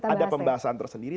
ada pembahasan tersendiri